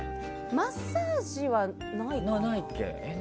マッサージはないかな？